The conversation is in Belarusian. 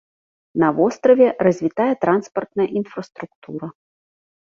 На востраве развітая транспартная інфраструктура.